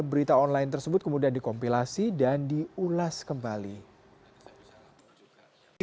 berita online tersebut kemudian dikompilasi dan diulas kembali